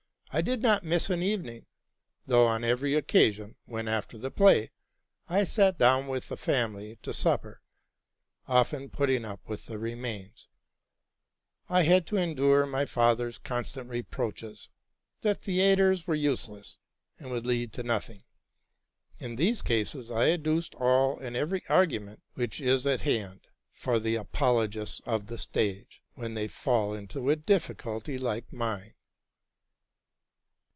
I did not miss an evening; though on every occasion, when, after the play, I sat down with the 88 TRUTH AND FICTION family to supper, — often putting up with the remains, — I had to endure my father's constant reproaches, that theatres were useless, and would lead to nothing. In these cases I adduced ul and every argument which is at hand for the apologists of the stage when they fall into a difficulty like mine.